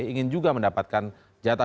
ingin juga mendapatkan jatah